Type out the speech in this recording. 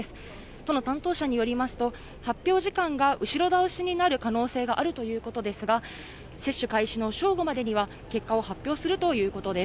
都の担当者によりますと、発表時間が後ろ倒しになる可能性があるということですが、接種開始の正午までには、結果を発表するということです。